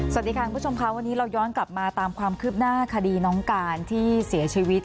สวัสดีค่ะคุณผู้ชมค่ะวันนี้เราย้อนกลับมาตามความคืบหน้าคดีน้องการที่เสียชีวิต